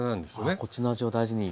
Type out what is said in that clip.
ああこっちの味を大事に。